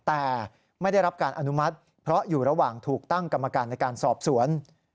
แต่ไม่ได้รับการอนุมัติเพราะอยู่ระหว่างถูกตั้งกรรมการในการสอบสวน